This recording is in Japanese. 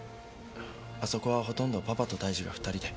あそこはほとんどパパと泰次が２人で。